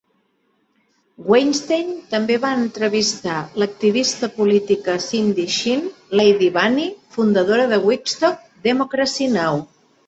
Weinstein també va entrevistar l'activista política Cindy Sheehan, Lady Bunny, fundadora de Wigstock, Democracy Now!